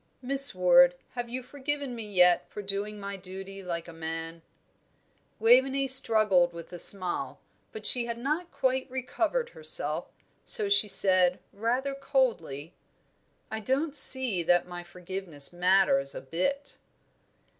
"Miss Ward, have you forgiven me yet for doing my duty like a man?" Waveney struggled with a smile, but she had not quite recovered herself, so she said, rather coldly, "I don't see that my forgiveness matters a bit!"